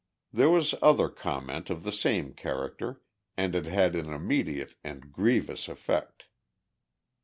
There was other comment of the same character, and it had an immediate and grievous effect.